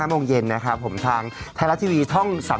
๕โมงเย็นนะครับผมทางไทรัตว์ทีวีท่อง๓๒ค่ะ